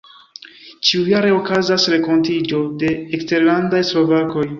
Ĉiujare okazas renkontiĝo de eksterlandaj slovakoj.